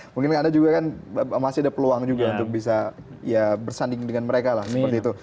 mungkin anda juga kan masih ada peluang juga untuk bisa ya bersanding dengan mereka lah seperti itu